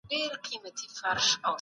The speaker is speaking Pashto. ایا کورني سوداګر وچ انار ساتي؟